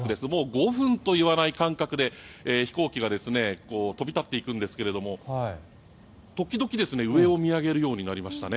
５分といわない間隔で飛行機が飛び立っていくんですが時々、上を見上げるようになりましたね。